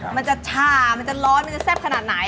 มันจะช่ามันจะร้อนมันจะแซ่บขนาดไหน